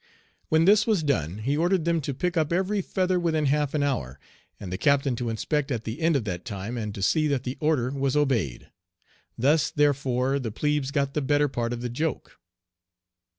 When this was done he ordered them to pick up every feather within half an hour, and the captain to inspect at the end of that time and to see that the order was obeyed. Thus, therefore, the plebes got the better part of the joke.